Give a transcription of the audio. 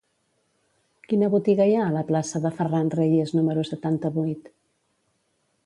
Quina botiga hi ha a la plaça de Ferran Reyes número setanta-vuit?